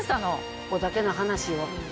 ここだけの話よ